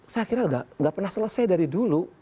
saya kira nggak pernah selesai dari dulu